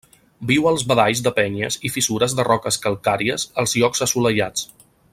Viu als badalls de penyes i fissures de roques calcàries als llocs assolellats.